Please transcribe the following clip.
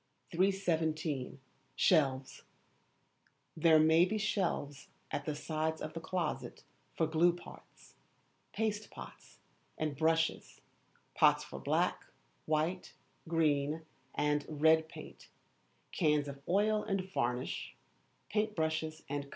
317. Shelves. There may be shelves at the sides of the closet for glue pots, paste pots and brushes, pots for black, white, green, and red paint, cans of oil and varnish, paint brushes, &c.